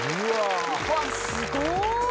わっすごい！